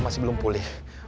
masih belum pulih